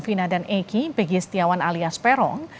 fina dan eki peggy setiawan alias perong